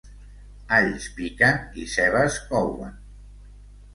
Alls piquen i cebes couen.